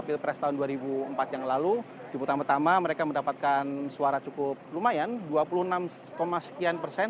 pertama tama mereka mendapatkan suara cukup lumayan dua puluh enam sekian persen